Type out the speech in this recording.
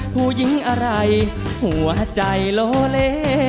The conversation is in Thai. ผู้หญิงอะไรหัวใจโลเล